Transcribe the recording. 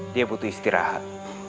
dia butuh istirahat